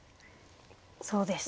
そうでした。